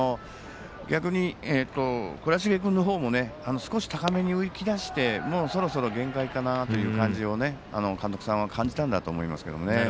逆に倉重君の方も少し高めに浮き出してもうそろそろ限界かなという感じ監督さんは感じたんだと思うんですよね。